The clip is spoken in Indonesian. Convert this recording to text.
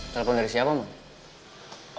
telepon dari siapa mon